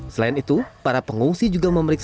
selain itu para pengungsi juga memeriksa